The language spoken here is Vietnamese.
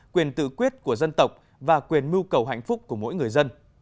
quyền tự quyết của dân tộc và quyền mưu cầu hạnh phúc của mỗi người dân